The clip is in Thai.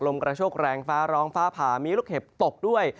กระโชคแรงฟ้าร้องฟ้าผ่ามีลูกเห็บตกด้วย